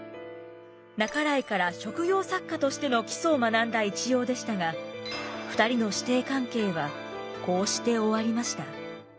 半井から職業作家としての基礎を学んだ一葉でしたが２人の師弟関係はこうして終わりました。